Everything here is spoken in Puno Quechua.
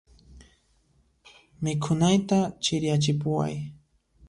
Mikhunayta chiriyachipuway.